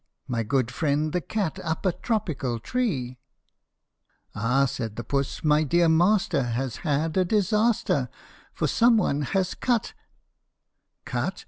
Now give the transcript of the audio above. My good friend the cat up a tropical tree :"" Ah," said Puss, " my dear master has had a disaster, For some one has cut "" Cut